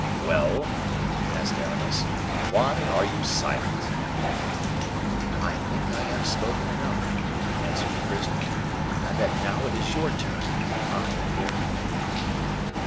"Well," asked Aramis, "why are you silent?" "I think I have spoken enough," answered the prisoner, "and that now it is your turn. I am weary."